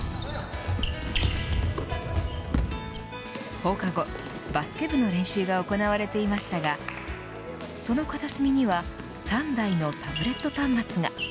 放課後、バスケ部の練習が行われていましたがその片隅には３台のタブレット端末が。